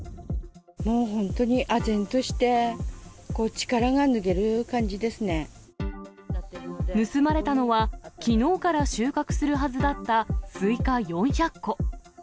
もう本当にあぜんとして、盗まれたのは、きのうから収穫するはずだったスイカ４００個。